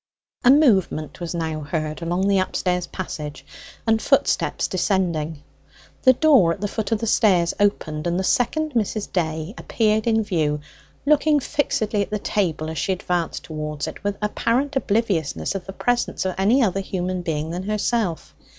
A movement was now heard along the upstairs passage, and footsteps descending. The door at the foot of the stairs opened, and the second Mrs. Day appeared in view, looking fixedly at the table as she advanced towards it, with apparent obliviousness of the presence of any other human being than herself.